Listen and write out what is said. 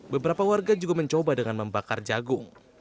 beberapa warga juga mencoba dengan membakar jagung